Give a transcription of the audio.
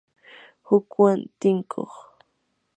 hukwan tinkuq